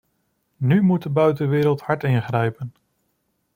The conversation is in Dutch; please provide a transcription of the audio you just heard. Nu moet de buitenwereld hard ingrijpen.